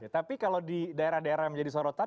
tapi kalau di daerah daerah yang menjadi sorotan